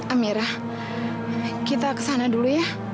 amirah kita ke sana dulu ya